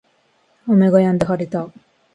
雨が止んで晴れた